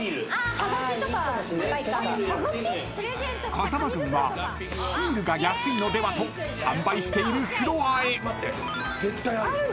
［風間軍はシールが安いのではと販売しているフロアへ］待って絶対ある。